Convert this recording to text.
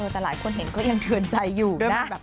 แต่หลายคนเห็นก็ยังเทือนใจอยู่นะ